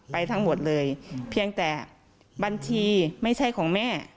ทั้งหมดเลยเพียงแต่บัญชีไม่ใช่ของแม่